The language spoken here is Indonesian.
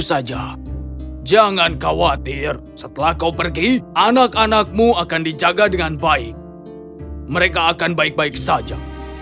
saja jangan khawatir setelah kau pergi anak anakmu akan dijaga dengan baik mereka akan baik baik saja